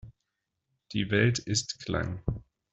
Die Welt ist Klang".